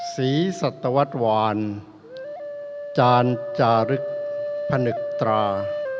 ศรีสัตวรรษวานจานจารึกผนึกตรา